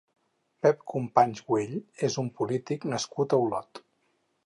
Pep Companys Güell és un polític nascut a Olot.